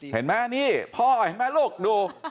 เห็นไหมนี่พ่อเห็นไหมลูกดู